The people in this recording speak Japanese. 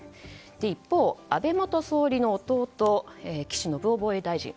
一方、安倍元総理の弟岸信夫防衛大臣